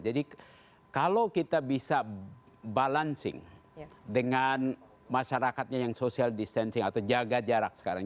jadi kalau kita bisa balancing dengan masyarakatnya yang social distancing atau jaga jarak sekarang